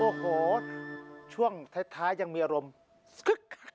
โอ้โหช่วงท้ายยังมีอารมณ์คึก